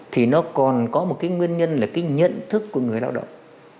thì nó còn có một cái nguyên nhân là cái nhận thức của người lao động